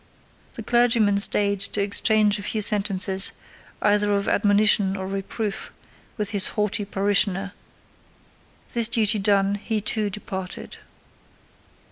The clergyman stayed to exchange a few sentences, either of admonition or reproof, with his haughty parishioner; this duty done, he too departed.